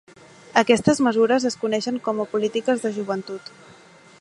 Aquestes mesures es coneixen com a polítiques de joventut.